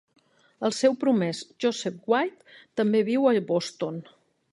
El seu promès, Joseph White, també viu a Boston.